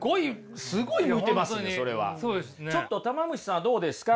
ちょっとたま虫さんはどうですか。